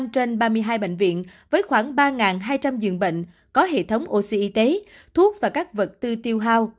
một mươi trên ba mươi hai bệnh viện với khoảng ba hai trăm linh giường bệnh có hệ thống oxy y tế thuốc và các vật tư tiêu hao